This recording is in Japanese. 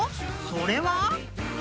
［それは］